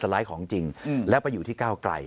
เจ้าใจของจริงแล้วก็อยู่ที่เก้าไกล